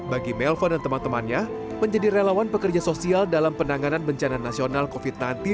bagi melva dan teman temannya menjadi relawan pekerja sosial dalam penanganan bencana nasional covid sembilan belas